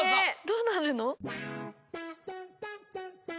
どうなるの？